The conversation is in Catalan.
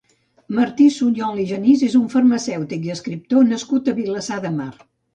Martí Sunyol i Genís és un farmacèutic i escriptor nascut a Vilassar de Mar.